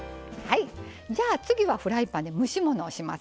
次はフライパンで蒸し物をします。